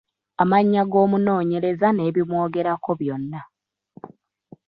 Amannya g’omunoonyereza n’ebimwogerako byonna.